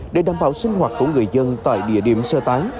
để đảm bảo sinh hoạt của người dân tại địa điểm sơ tán